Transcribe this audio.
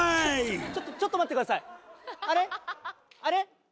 ちょっとちょっと待ってくださいあれ？